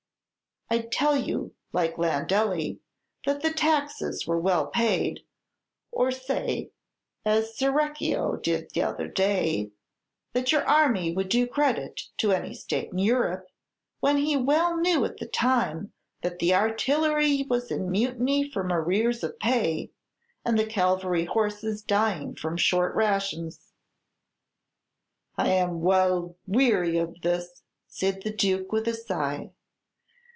I'd tell you, like Landelli, that the taxes were well paid, or say, as Cerreccio did t'other day, that your army would do credit to any state in Europe, when he well knew at the time that the artillery was in mutiny from arrears of pay, and the cavalry horses dying from short rations!" "I am well weary of all this," said the Duke, with a sigh.